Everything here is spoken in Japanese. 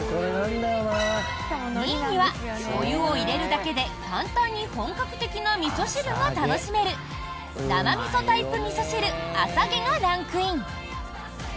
２位には、お湯を入れるだけで簡単に本格的なみそ汁が楽しめる生みそタイプみそ汁あさげがランクイン。